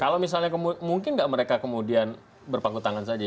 kalau misalnya mungkin nggak mereka kemudian berpangku tangan saja